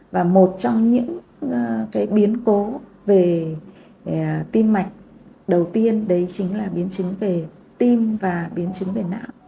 và một trong những biến cố về tim mạnh đầu tiên đó chính là biến chứng về tim và biến chứng về nặng